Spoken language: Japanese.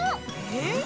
えっ？